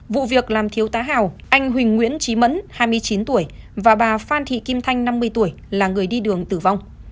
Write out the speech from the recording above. vụ việc làm thiếu tá hào anh huỳnh nguyễn trí mẫn hai mươi chín tuổi và bà phan thị kim thanh năm mươi tuổi là người đi đường tử vong